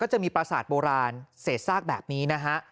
จะมีประสาทโบราณเศษซากแบบนี้นะฮะ